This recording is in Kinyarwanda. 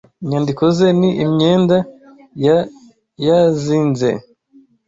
inyandiko ze ni imyenda ya yazinze